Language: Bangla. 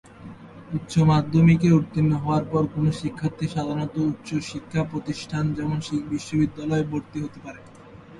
উচ্চ মাধ্যমিকে উত্তীর্ণ হওয়ার পর কোন শিক্ষার্থী সাধারণত উচ্চ শিক্ষা প্রতিষ্ঠান যেমন, বিশ্ববিদ্যালয়ে ভর্তি হতে পারে।